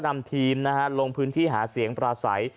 นำทีมลงพื้นที่หาเสียงปราศัย